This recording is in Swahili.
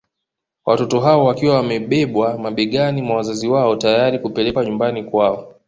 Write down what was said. Watoto hao wakiwa wamebebwa mabegani mwa wazazi wao tayari kupelekwa nyumbani kwao